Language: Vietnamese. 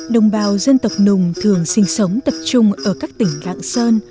đồng bào dân tộc nùng thường sinh sống tập trung ở các tỉnh lạng sơn